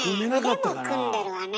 腕も組んでるわねえ。